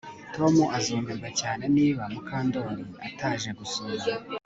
Tom azumirwa cyane niba Mukandoli ataje gusura